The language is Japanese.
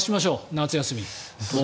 夏休みを。